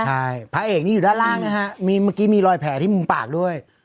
ใช่พระเอกนี่อยู่ด้านล่างนะฮะมีเมื่อกี้มีรอยแผลที่มุมปากด้วย